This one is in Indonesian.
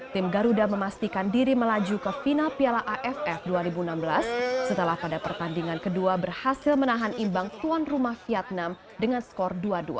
tim garuda memastikan diri melaju ke final piala aff dua ribu enam belas setelah pada pertandingan kedua berhasil menahan imbang tuan rumah vietnam dengan skor dua dua